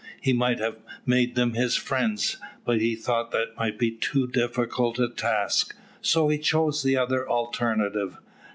He might have made them his friends, but he thought that might be too difficult a task, so he chose the other alternative.